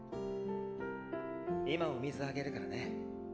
今お水あげるからね。